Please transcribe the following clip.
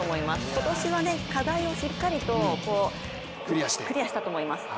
今年は課題をしっかりとクリアしたと思います。